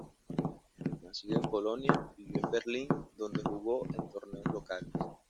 Nacido en Polonia, vivió en Berlín, donde jugó en torneos locales.